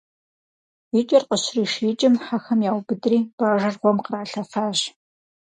И кӀэр къыщришиикӀым, хьэхэм яубыдри бажэр гъуэм къралъэфащ.